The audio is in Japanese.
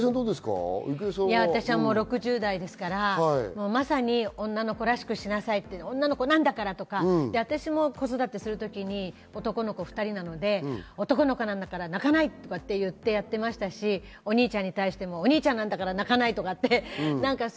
私はもう６０代ですから、まさに女の子らしくしなさい、女の子なんだからとか、私も子育てするときに男の子２人なので、男の子なんだから泣かないって言ってやってましたし、お兄ちゃんに対してもお兄ちゃんなんだから泣かないっていうふう